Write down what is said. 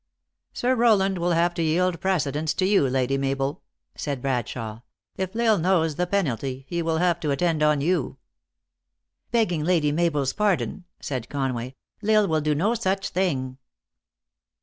" Sir Rowland will have to yield precedence to you, Lady Mabel," said Bradshawe. " If L Isle knows the penalty, he will have to attend on you." " Begging Lady Mabel s pardon," said Conway, " L Isle will do no such thing."